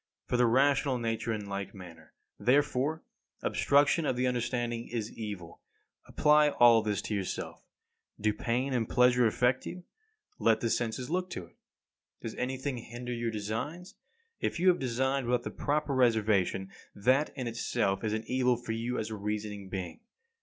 For the rational nature in like manner, therefore, obstruction of the understanding is evil. Apply all this to yourself. Do pain and pleasure affect you? Let the senses look to it. Does anything hinder your designs? If you have designed without the proper reservations, that in itself is an evil for you as a reasoning being.